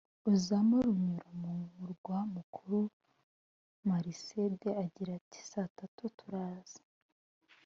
Ozama runyura mu murwa mukuru Mercedes agira ati saa tatu turaza